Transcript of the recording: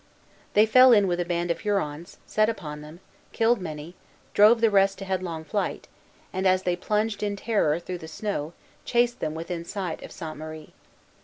They fell in with a band of the Hurons, set upon them, killed many, drove the rest to headlong flight, and, as they plunged in terror through the snow, chased them within sight of Sainte Marie.